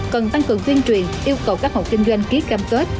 cần tăng cường tuyên truyền yêu cầu các hộ kinh doanh ký cam kết